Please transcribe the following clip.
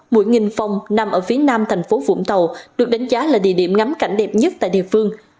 mũi nghìn phòng nằm ở phía nam thành phố vũng tàu được đánh giá là địa điểm ngắm cảnh đẹp nhất tại địa phương